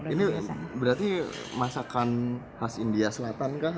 ini berarti masakan khas india selatan kah